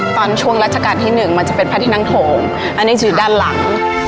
ตอนช่วงรัชกาลที่๑มันจะเป็นพระที่นั่งโถงอันนี้จะอยู่ด้านหลัง